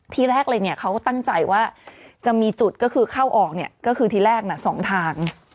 ที่แรกเลยเนี่ยเขาตั้งใจว่าจะมีจุดก็คือเข้าออกเนี่ยก็คือทีแรก๒ทาง